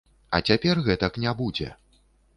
А цяпер гэтак не будзе.